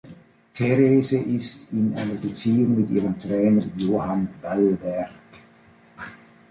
Therese ist in einer Beziehung mit ihrem Trainer Johan Wallberg.